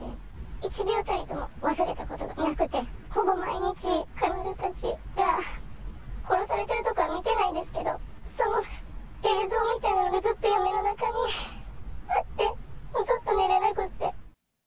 一秒たりとも忘れたことがなくて、ほぼ毎日、彼女たちが殺されてるところは見てないんですけれども、その映像みたいなものが、ずっと夢の中にあって、ずっと寝れなくって。